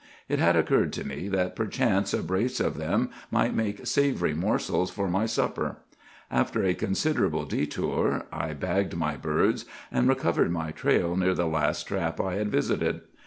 It had occurred to me that perchance a brace of them might make savory morsels for my supper. After a considerable détour, I bagged my birds, and recovered my trail near the last trap I had visited.